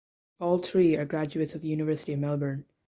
All three are graduates of the University of Melbourne.